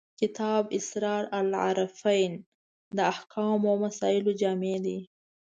کتاب اسرار العارفین د احکامو او مسایلو جامع دی.